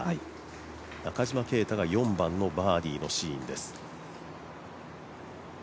中島啓太が４番のバーディーのシーンです